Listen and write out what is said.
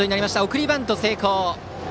送りバント成功。